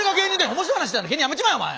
面白い話したいなら芸人やめちまえお前！